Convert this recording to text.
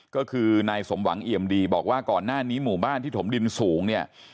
ก็คือนายสมหวังเอี่ยมดีบอกว่าก่อนหน้านี้หมู่บ้านที่ถมดินสูงเนี่ย